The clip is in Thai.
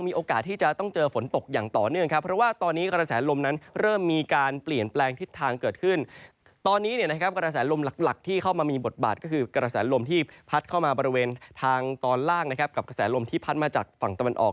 พัดเข้ามาบริเวณทางตอนล่างนะครับกับกระแสลมที่พัดมาจากฝั่งตะวันออก